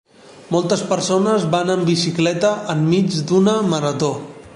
Moltes persones van en bicicleta enmig d'una marató.